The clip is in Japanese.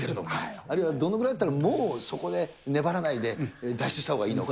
あるいはどのぐらいだったら、もうそこで粘らないで脱出したらいいのか。